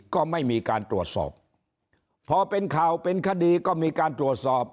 ก็ไม่มีการตรวจสอบพอเป็นข่าวเป็นคดีก็มีการตรวจสอบ